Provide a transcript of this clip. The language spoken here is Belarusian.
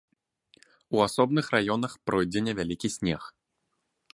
У асобных раёнах пройдзе невялікі снег.